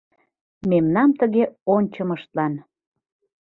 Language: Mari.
Мемнам тыге ончымыштлан.